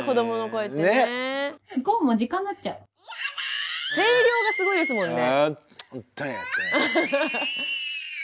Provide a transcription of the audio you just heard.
声量がすごいですもんね。